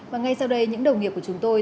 và ngay sau đây những đồng nghiệp của chúng tôi